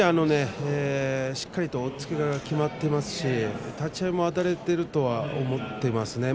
しっかり押っつけがきまっていますし、立ち合いもあたれていると思っています。